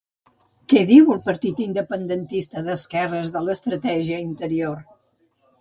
Què diu el partit independentista d'esquerres de l'estratègia Interior?